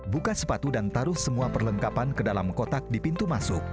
buka sepatu dan taruh semua perlengkapan ke dalam kotak di pintu masuk